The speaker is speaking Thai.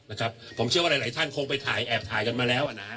นะครับผมเชื่อว่าหลายหลายท่านคงไปถ่ายแอบถ่ายกันมาแล้วอ่ะนะฮะ